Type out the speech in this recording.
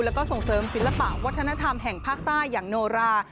แล้วก็ส่งเสริมศิลปะวัฒนธรรมแห่งภาคใต้อย่างโนรา